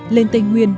lên tây nguyên